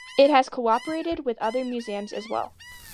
It has cooperated with other museums as well.